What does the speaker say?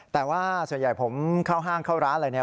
แต่ว่าส่วนใหญ่ผมเข้าห้างเข้าร้านอะไรเนี่ย